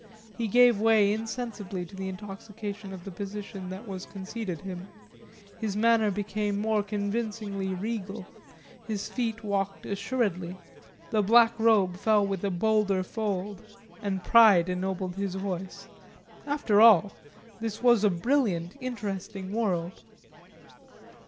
He gave way insensibly to the intoxication of the position that was conceded him, his manner became more convincingly regal, his feet walked assuredly, the black robe fell with a bolder fold and pride ennobled his voice. After all, this was a brilliant interesting world.